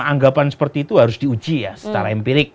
anggapan seperti itu harus diuji ya